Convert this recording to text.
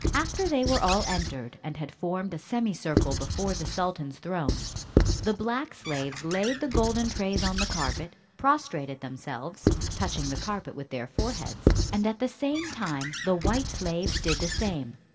After they were all entered, and had formed a semicircle before the sultan's throne, the black slaves laid the golden trays on the carpet, prostrated themselves, touching the carpet with their foreheads, and at the same time the white slaves did the same.